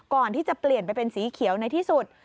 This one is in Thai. ก่อนที่จะเปลี่ยนไปเป็นสีเขียวในที่สุด